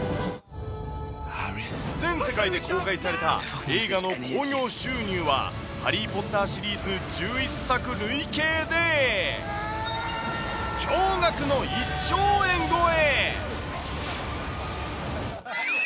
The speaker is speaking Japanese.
全世界で紹介された映画の興行収入は、ハリー・ポッターシリーズ１１作累計で、驚がくの１兆円超え。